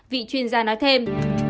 vị chuyên gia nói thêm